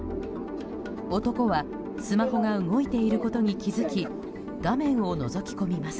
男はスマホが動いていることに気づき画面をのぞき込みます。